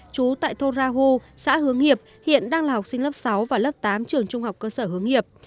chú tại thôn ra hu xã hướng hiệp hiện đang là học sinh lớp sáu và lớp tám trường trung học cơ sở hướng hiệp